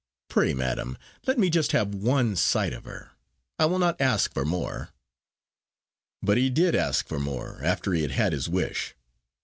Pray, madam, let me just have one sight of her. I will not ask for more." But he did ask for more after he had had his wish.